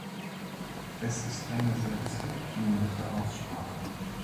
Es ist eine sehr zweckdienliche Aussprache.